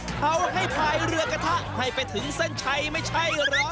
เขาให้พายเรือกระทะให้ไปถึงเส้นชัยไม่ใช่เหรอ